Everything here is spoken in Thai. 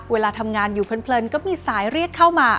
เวลาทำงานอยู่เพลินก็มีสายเรียกเข้ามา